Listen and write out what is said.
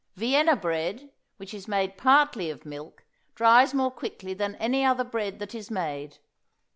Vienna bread, which is made partly of milk, dries more quickly than any other bread that is made.